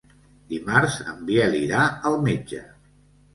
Dimarts en Biel irà al metge.